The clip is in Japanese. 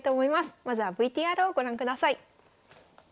まずはＶＴＲをご覧ください。